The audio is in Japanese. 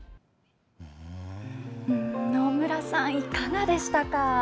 野村さん、いかがでしたか。